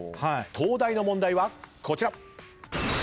東大の問題はこちら。